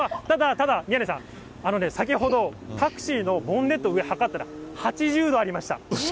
ただ、宮根さん、先ほどタクシーのボンネット上、測ったら８０度ありました。